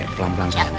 pelan pelan sayang ya